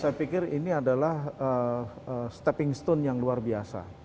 saya pikir ini adalah stepping stone yang luar biasa